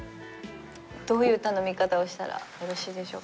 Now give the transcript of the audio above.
どういう頼み方をしたらよろしいでしょうか。